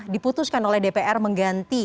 diputuskan oleh dpr mengganti